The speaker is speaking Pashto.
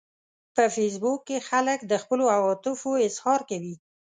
په فېسبوک کې خلک د خپلو عواطفو اظهار کوي